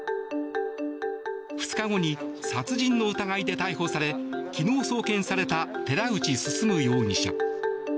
２日後に殺人の疑いで逮捕され昨日、送検された寺内進容疑者。